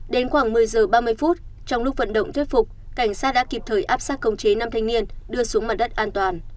đến khoảng một mươi giờ ba mươi phút trong lúc vận động thuyết phục cảnh sát đã kịp thời áp sát công chế năm thanh niên đưa xuống mặt đất an toàn